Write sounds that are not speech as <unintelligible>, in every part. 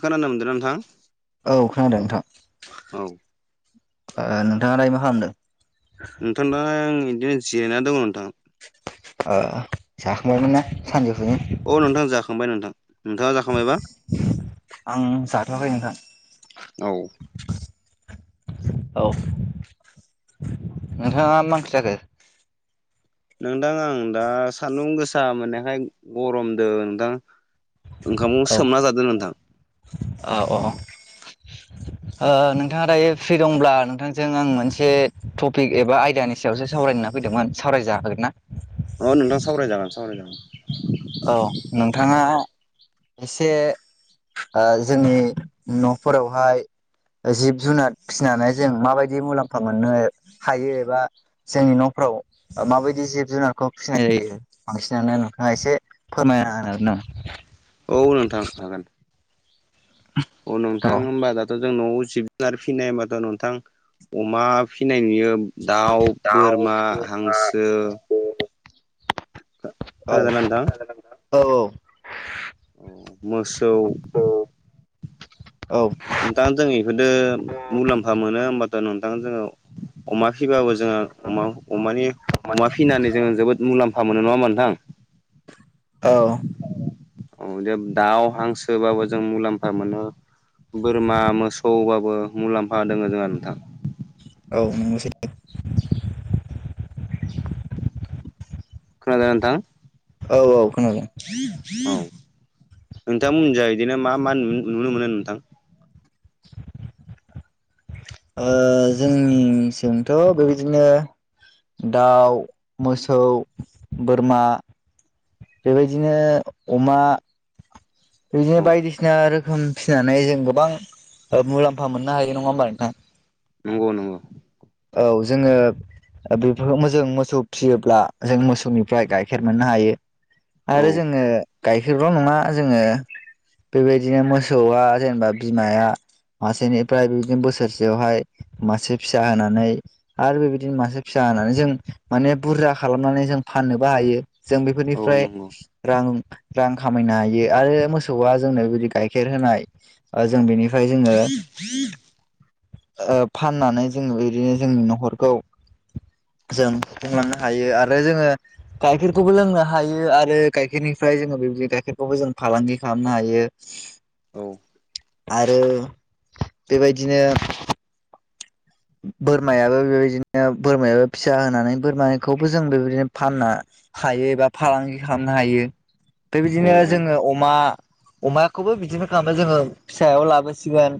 खोनानो मोनदोंना नोंथां औ खोनादों नोंथां। औ नोंथाङा दाय मा खालामदों? नोंथां दा आं बिदिनो जिरायना दङ नोंथां। जाखांबायोन ना सानजौफुनि अ नोंथां जाखांबाय नोंथां। नोंथाङा जाखांबायबा आं जाथ'वाखै नोंथां। औ औ नोंथाङा मासि जाखो नोंथां आं दा सान्दुं गोसा मोननायखाय गरमदों नोंथां। ओंखामखौ औ सोमना जादों नोंथां। औ औ। नोंथाङा दायो फ्रि दंब्ला नोंथांजों आं मोनसे टपिक एबा आयडियानि सायावसो सावरायना फैदोंमोन सावरायजाखागोन ना? अ नोंथां सावरायजागोन सावरायजागोन औ नोंथाङा एसे जोंनि न'फोरावहाय जिब जुनार फिसिनानै जों माबायदि मुलाम्फा मोननो हायो एबा जोंनि न'फ्राव माबायदि जिब जुनारखौ फिसिनाय जायो बांसिनानो नोंथाङा एसे फोरमाया आरो नों औ नोंथां हागोन अ नोंथां नामा? होमबा दा ' जों न'आव जिब जुनार फिसिनाय हबाथ' नोंथां अमा फिसिनाय नुयो दाउ बोरमा हांसो औ खोनादोंना नोंथां औ औ औ मोसौ औ नोंथाङा जोंनि बेफोदो मुलाम्फा मोनो होमबाथ' नोंथां जोङो अमा फिबाबो जोङो अमानि अमा फिनानै जोङो जोबोद मुलामफा मोनो नङा होमबा नोंथां औ औ जे दाउ हांसोबाबो जों मुलाम्फा मोनो बोरमा मोसौबाबो मुलाम्फा दङ जोंहा नोंथां औ नोंगौसे <inaudible> खोनादोंना नोंथां औ औ खोनादों औ नोंथांमोनिजाय बिदिनो मा मा नुनो मोनो नोंथां <inaudible> जोंनिजोंथ' बेबायदिनो दाउ मोसौ बोरमा बेबायदिनो अमा औ बिदिनो बायदिसिना आरो फिनानै जों गोबां मुलाम्फा मोननो हायो नङा होमबा नोंथां नंगौ नंगौ औ जोङो बेफोरखौ जों मोसौ फियोब्ला जों मोसौनिफ्राय गाइखेर मोननो हायो औ आरो जोङो गाइखेरल' नङा जोङो बेबायदिनो मोसौआ जेनेबा बिमाया मासेनिफ्राय बिदिनो बोसोरसेयावहाय मासे फिसा होनानै आरो बेबायदिनो मासे फिसा होनानै जों माने बुरजा खालामनानै जों फाननोबो हायो जों औ बेफोरनिफ्राय नंगौ रां रां खामायनो हायो आरो मोसौआ जोंनो बिदि गाइखेर होनाय ओ जों बेनिफ्राय जोङो ओ फाननानै जोङो बिदिनो जोंनि न'खरखौ जों बुफुंलांनो हायो आरो जोङो गाइखेरखौबो लोंनो हायो आरो गाइखेरनिफ्राय जोङो बेबायदि गाइखेरखौबो जों फालांगि खालामनो हायो औ। आरो बेबायदिनो बोरमायाबो बेबायदिनो बोरमायाबो फिसा होनानै बोरमाखौबो जों बेबायदिनो फानना हायो एबा फालांगि खालामनो हायो औ बेबायदिनो जोङो अमा अमाखौबो बिदिनो खालामो जोङो फिसायाव लाबोसिगोन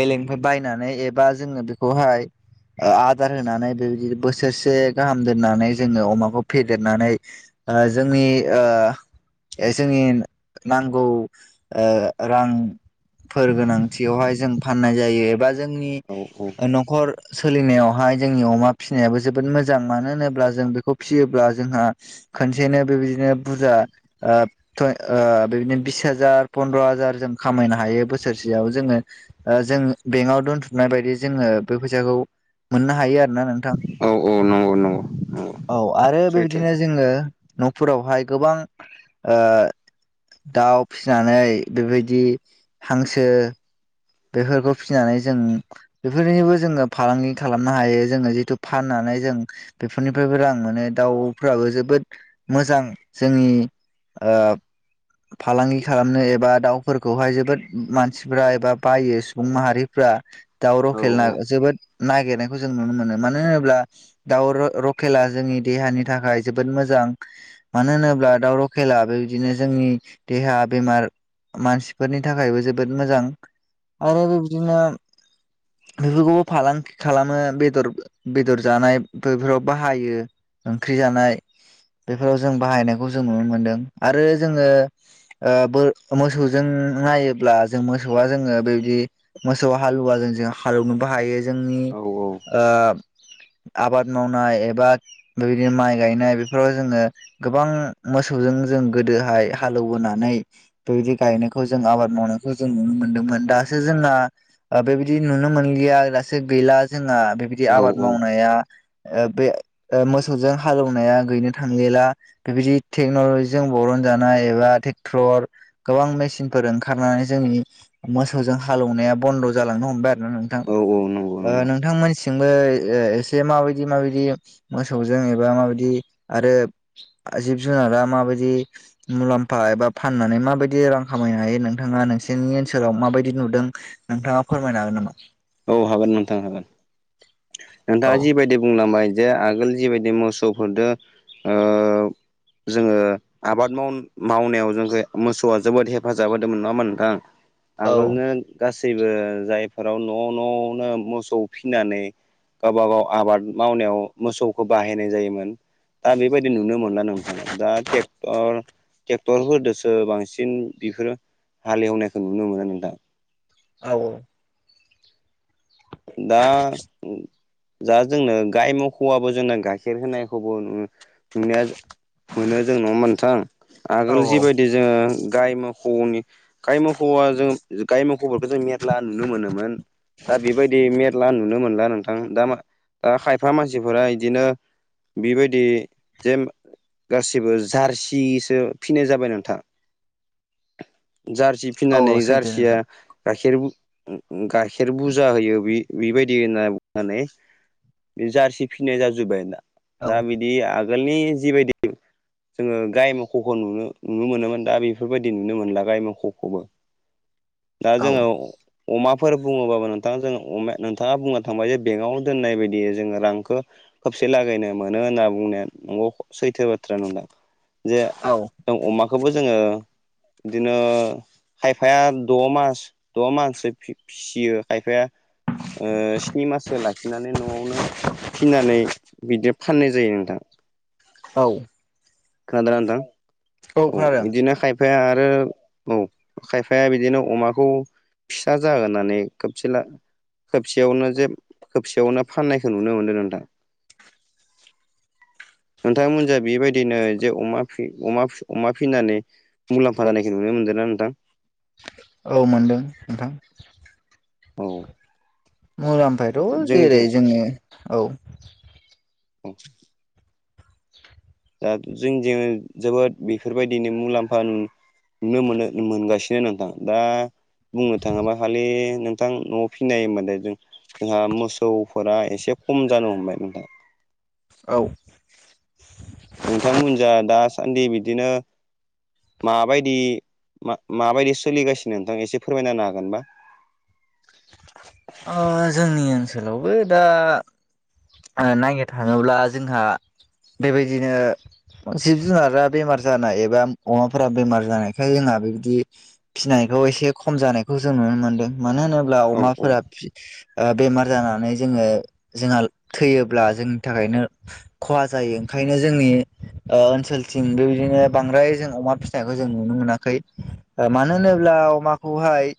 बेलेगनिफ्राय बायनानै एबा जोङो बेखौहाय आदार होनानै बेबायदिनो बोसोरसे गाहाम दोननानै जोङो अमाखौ फेदेरनानै ओ जोंनि ओ जोंनि नांगौ ओ रां फोर गोनांथियावहाय जों फाननाय जायो एबा जोंनि औ औ न'खर सोलिनायावहाय जोंनि अमा फिसिनायाबो जोबोद मोजां मानो होनोब्ला जों बेखौ फियोब्ला जोंहा खनसेनो बेबायदिनो बुरजा ओ <unintelligible> ओ बिदिनो बिस हाजार फन्द्र' हाजार जों खामायनो हायो बोसोरसेयाव जोङो ओ जों बेंकआव दोनथुमनाय बायदि जोङो बे फैसाखौ मोननो हायो आरो ना नोंथां औ औ नंगौ नंगौ नंगौ औ आरो सैथो बेबायदिनो जोङो न'फोरावहाय गोबां दाउ फिसिनानै बेबायदि हांसो बेफोरखौ फिनानै जों बेफोरनोबो जोङो फालांगि खालामनो हायो जोङो जितु फाननानै जों बेफोरनिफ्रायबो रां मोनो दाउफोराबो जोबोद मोजां जोंनि ओ फालांगि खालामनो एबा दाउफोरखौहाय जोबोद मानसिफ्रा एबा बायो सुबुं माहारिफ्रा दाव औ रखेलना जोबोद नागिरनायखौ जों नुनो मोनो मानो होनोब्ला दाउ र- रकेला जोंनि देहानि थाखाय जोबोद मोजां मानो औ होनोब्ला दाउ लकेला बेबायदिनो जोंनि देहा बेमार मानसिफोरनि थाखायबो जोबोद मोजां आरो बेबदिनो बेफोरखौबो फालांगि खालामो बेदर बेदर जानाय बेफोराव बाहायो ओंख्रि जानाय बेफोराव जों बाहायनायखौ जों नुनो मोनदों आरो जोङो ओ बो मोसौजों नायोब्ला जों मोसौआ जोङो बेबायदि मोसौ हालुवाजों जों हालौवनोबो हायो जोंनि औ ओ आबाद मावनाय एबा बेबायदि माइ गायनाय बेफोराव जोङो गोबां मोसौजों जों गोदोहाय हालेबोनानै बेबायदि गायनायखौ जों आबाद मावनायखौ जों नुनो मोन्दोंमोन दा थो जोंना ओ बेबायदि नुनो मोनलिया दासो गैला जोंना बेबा बिदि औ आबाद औ मावनाया ओ बे ओ मोसौजों हालौवनाया गैनो थांलिला बेबायदि टेक्न'ल'जिजों बरनजानाय एबा ट्रेक्टर गोबां मेसिनफोर ओंखारनानै जोंनि मोस जों हालेवनाया बन्द' जालांनो हमबाय आरो ना नोंथां औ नंगौ ओ नंगौ नोंथांमोनसिंबो एसे माबायदि माबायदि मोसौजों एबा माबायदि आरो जिब जुनारा माबायदि मुलाम्फा एबा फाननानै माबायदि रां खामायनो हायो नोंथाङा नोंसोरनि ओनसोलाव माबायदि बि नुदों नोंथाङा फोरमायनो हागोन नामा। औ हागोन नोंथां हागोन औ नोंथाङा जिबायदि बुंलांबाय जे आगोल जिबायदि मोसौफोरजों ओ जोङो आबाद माव मावनायाव जोंखौ मोसौआ जोबोद हेफाजाब होदोंमोन नामा नोंथां। औ आगोलनो गासैबो जायफोराव न' न'नो मोसौ फिनानै गावबा गाव आबाद मावनायाव मोसौखौ बाहायनाय जायोमोन दा बेबायदि नुनो मोनला नोंथां दा ट्रेक्टर ट्रेक्टरफोरजोंसो बांसिन बेफोरो हालेवनायखौ नुनो मोनो नोंथां। औ औ। दा। दा जोंनो गाइ मोसौवाबो जोंनो गाइखेर होनायखौबो नुनो मोनो जों नङा होनबा नोंथां औ आगोल जिबायदि जोङो गाइ मोसौनि गाइ मोसौवा जों गाइ मोसौफोरखौ जों मेरला नुनो मोनोमोन दा बेबायदि बिदि मेरला नुनो मोनला नोंथां दा खायफा मानसिफोरा इदिनो बेबायदि जे गासिबो जारसिसो फिनाय जाबाय नोंथां जारसि औ फिनानै सैथो जारसिया नोंथां गाइखेर गाइखेर बुरजा होयो बेबायदि होनना बुंनानै बे जारसि फिनाय जाजोब्बाय दा औ दा बिदि आगोलनि जिबायदि जोङो गाइ मोसौखौ नुनो नुनो मोनोमोन दा बेफोरबायदि नुनो मोनला गाय मोसौखौबो दा औ जोङो अमाफोर बुङोबाबो नोंथां जों अमा नोंथाङा बुंना थांबाय जे बेंकाव दोननाय बायदि जोङो रांखौ खोबसे लागायनो मोनो होनना बुंनाया नंगौ सैथो बाथ्रा नोंथां जे औ जों अमाखौबो जोङो बिदिनो खायफाया द' मास द' माससो फिसियो खायफाया ओ स्नि माससो लाखिनानै न'आवनो फिनानै बिदि फाननाय जायो नोंथां औ खोनादों ना नोंथां औ बिदिनो खाय फाया आरो औ खायफाया बिदिनो अमाखौ फिसा जागोन होननानै खोबसेला खेबसेयावनो जे खबसेयावनो फाननायखौ नुनो मोन्दों नोंथां <inaudible> नोंथांमोननिजों बेबायदिनो जे अमा फि अमा फिनानै मुलामफा जानायखौ नुनो मोनदोंना नोंथां औ मोनदों नोंथां औ मुलामफायाथ' जोंनिथिं जेरै जोङो औ औ दा जोंनिजों जोबोद बेफोरबायदिनो मुलामफा नुनो मोनो मोनगासिनो नोंथां दा बुंनो थाङोबा खालि नोंथां न'आव फिनाय मोनो जों जोंहा मोसौफोरा एसे खम जानो हमबाय नोंथां औ नोंथांमोन जा दासान्दि बिदिनो माबायदि माबायदि सोलिगासिनो नोंथां एसे फोरमायना होनो हागोनबा ओ जोंनि ओनसोलावबो दा नायनो थाङोब्ला जोंहा बेबायदिनो जिब जुनारा बेमार जानाय एबा अमाफोरा बेमार जानायखाय जोंहा बेबायदि फिसिनायखौ एसे खम जानायखौ जों नुनो मोन्दों मानो होनो ब्ला औ औ अमाफोरा बेमार जानानै जोङो जोंहा थैयोब्ला जोंनि थाखायनो खहा जायो ओंखायनो जोंनि ओ ओनसोलथिं बेबायदिनो बांद्राय जों अमा फिसिनायखौ जों नुनो मोनाखै। ओ मानो होनोब्ला अमाखौहाय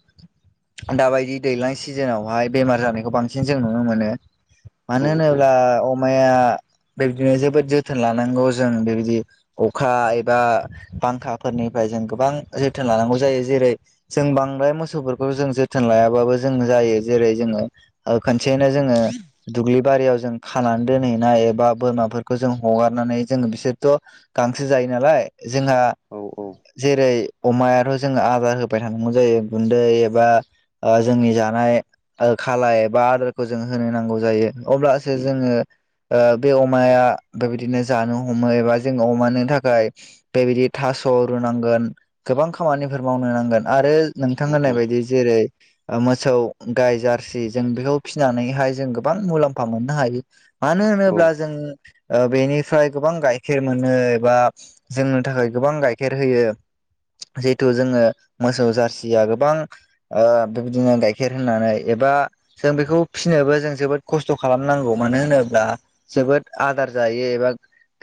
दाबायदि दैज्लां सिजोनावहाय बेमार जानायखौ बांसिन जों नुनो मोनो। औ मानो औ होनोब्ला अमाया बेबादिनो जोबोद जोथोन लानांगौ जों बे बायदि अखा एबा बांखाफोरनिफ्राय जों गोबां जोथोन लानांगौ जायो जेरै जों बांद्राय मोसौफोरखौ जों जोथोन लायाबाबो जों जायो जेरै जोङो ओ खनसेयैनो जोङो दुब्लि बारियाव जों खानानै दोनहैनाय एबा बोरमाफोरखौ जों हगारनानै जों बिसोरथ' गांसो जायो नालाय जोंहा औ औ जेरै अमायाथ' जोङो आदार होबाय थानांगौ जायो गुन्दै एबा ओ जोंनि जानाय ओ खालाय एबा आदारखौ जों होनो नांगौ जायो अब्लासो जोङो ओ बे अमाया बेबायदिनो जानो हमो एबा जोङो अमानो थाखाय बेबायदि थास' रुनांगोन गोबां खामानिफोर मावनो नांगोन आरो नोंथां होननाय बायदि जेरै ओ मोसौ गाय जार्सि जों बेखौ फिसिनानैहाय जों गो गोबां मुलाम्फा मोननो हायो मानो होनोब्ला जोङो ओ बेनिफ्राय गोबां गाइखेर मोनो एबा जोंनो थाखाय गोबां गाइखेर होयो। जिहेथु जोङो मोसौ जारसिया गोबां ओ बेबायदिनो गाइखेर होनानै एबा जों बेखौ फिसिनोबो जों जोबोद खस्थ' खालामनांगौ मानो होनोब्ला जोबोद आदार जायो एबा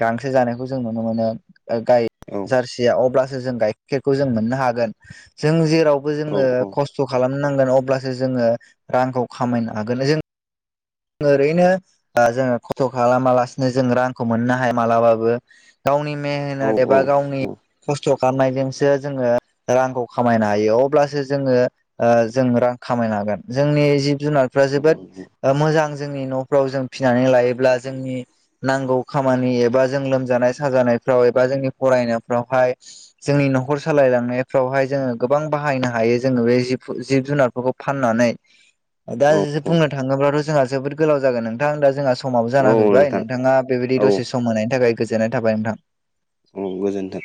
गांसो जानायखौ जों नुनो मोनो ओ गाय औ। फिसियो अब्लासो जों गायखेरखौ जों मोननो हागोन जों जेरावबो जोङो खस खस्थ' खालामनो नांगोन अब्लासो जोङो रांखौ खामायनो हागोन जों ओरैनो ओ जोङो खस्थ' खालामा लासिनो जों रांखौ मोननो हाया मालाबाबो गावनि मेहनत एबा गावनि खस्थ' खालामनायजोंसो जोङो रांखौ खामायनो हायो अब्लासो जोङो ओ जों रां खामायनो हागोन जोंनि जिब जुनारफ्रा जोबोद औ ओ मोजां जोंनि न'फ्राव जों फिसिनानै लायोब्ला जोंनि नांगौ खामानि एबा जों लोमजानाय साजानायफ्राव एबा जोंनि फरायनायफ्रावहाय जोंनि न'खर सालायलांनायफ्रावहाय जोङो गोबां बाहायनो हायो जोङो बे जिबफो जिब जुनारफोरखौ फाननानै दा जो औ औ बुंनो थाङोब्लाथ' जोंहा जोबोद गोलाव जागोन नोंथां दा जोंहा समाबो जाना औ फैबाय नोंथां नोंथाङा बेबायदि औ दसे सम होनायनि थाखाय गोजोननाय थाबाय नोंथां। औ गोजोन्थों।